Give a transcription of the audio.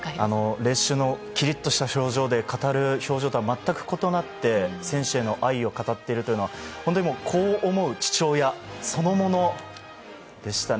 練習のきりっとした表情で語る表情とは全く異なって選手への愛を語っている姿は本当に、子を思う父親そのものでしたね。